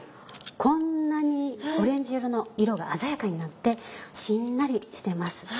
こんなにオレンジ色の色が鮮やかになってしんなりしてます。